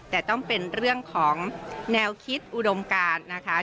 แต่ต้องเป็นเรื่องของแนวคิดอุดมการนะคะ